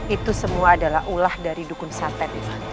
itu semua adalah ulah dari dukun saten iman